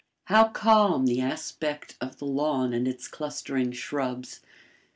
How calm the aspect of the lawn and its clustering shrubs.